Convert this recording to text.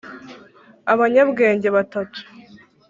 abanyabwenge batatu